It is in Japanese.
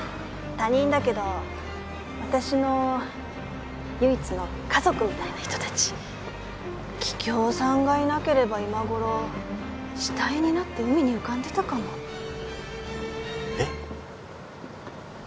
他人だけど私の唯一の家族みたいな人達桔梗さんがいなければ今頃死体になって海に浮かんでたかもえっ？